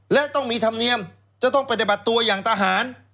และต้องมีธรรมเนียมจะต้องปฏิบัติตัวอย่างทหาร